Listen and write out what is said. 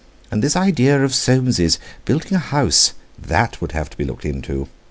And this idea of Soames's, building a house, that would have to be looked into.